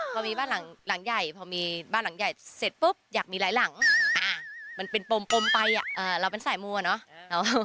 พอมีบ้านหลังใหญ่พอมีบ้านหลังใหญ่เสร็จปุ๊บอยากมีหลายหลังมันเป็นปมไปเราเป็นสายมัวเนอะ